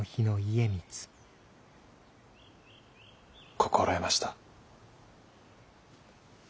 心得ました。